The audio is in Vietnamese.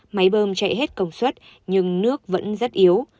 máy bơm chạy hết công suất nhưng nước vẫn rất yếu